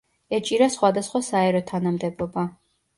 ეჭირა სხვადასხვა საერო თანამდებობა.